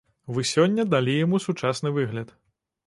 Вы сёння далі яму сучасны выгляд.